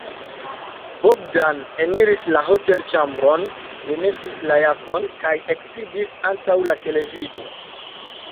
Bogdan eniris la hotelĉambron, demetis la jakon kaj eksidis antaŭ la televidilo.